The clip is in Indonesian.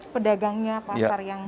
pedagangnya pasar yang